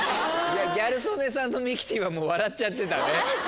ギャル曽根さんとミキティはもう笑っちゃってたね。